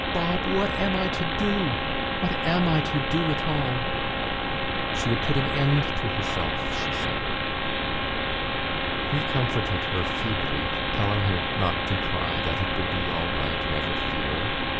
Bob! What am I to do? What am I to do at all?" She would put an end to herself, she said. He comforted her feebly, telling her not to cry, that it would be all right, never fear.